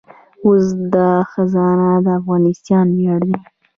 اوس دا خزانه د افغانستان ویاړ دی